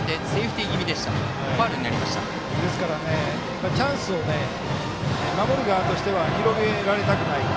ですから、チャンスを守る側としては広げられたくない。